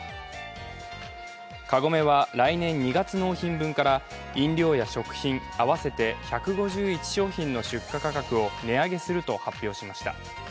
カゴメは、来年２月納品分から飲料や食品合わせて１５１商品の出荷価格を値上げすると発表しました。